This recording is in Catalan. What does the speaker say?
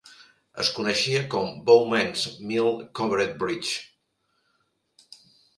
Es coneixia com Bowman's Mill Covered Bridge.